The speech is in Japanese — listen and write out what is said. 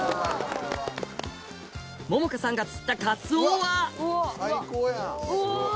百々絵さんが釣ったカツオはうわ！